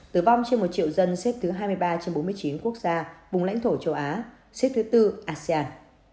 tử vong trên một triệu dân xếp thứ hai mươi ba trên bốn mươi chín quốc gia vùng lãnh thổ châu á xếp thứ tư asean